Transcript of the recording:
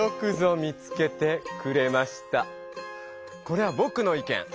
これはぼくの意見。